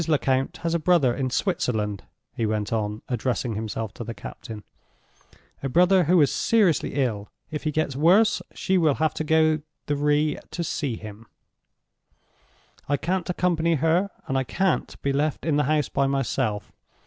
Lecount has a brother in Switzerland," he went on, addressing himself to the captain—"a brother who is seriously ill. If he gets worse, she will have to go there to see him. I can't accompany her, and I can't be left in the house by myself.